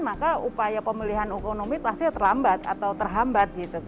maka upaya pemulihan ekonomi pastinya terlambat atau terhambat